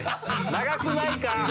「長くないか？